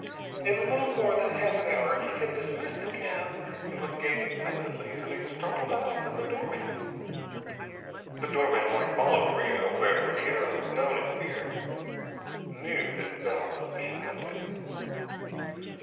In little more than half an hour he had dismissed the cab and was gazing placidly into the startled eyes of the doorman. The doorman, like all of Rio where Ribiera was known and feared, knew that Bell was being hunted.